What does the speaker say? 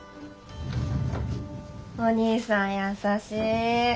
お兄さん優しい。